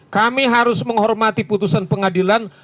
kami harus menghormati putusan pengadilan